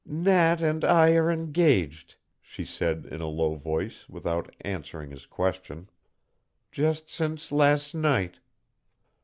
"Nat and I are engaged," she said in a low voice without answering his question. "Just since last night."